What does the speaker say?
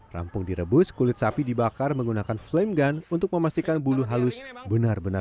rampung direbus kulit sapi dibakar menggunakan flame gun untuk memastikan bulu halus benar benar